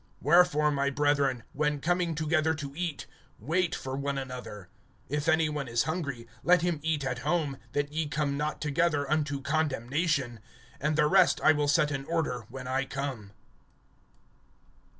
(33)Wherefore, my brethren, when coming together to eat, wait for one another. (34)If any one is hungry, let him eat at home; that ye come not together unto condemnation. And the rest I will set in order when I come.